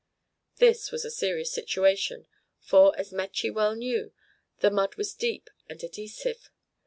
This was a serious situation, for, as Metje well knew, the mud was deep and adhesive.